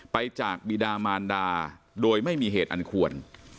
ไปจากบีดามานดาโดยไม่มีเหตุอันควร